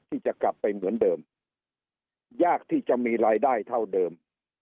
ที่จะกลับไปเหมือนเดิมยากที่จะมีรายได้เท่าเดิม